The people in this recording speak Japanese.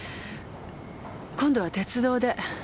今度は鉄道で。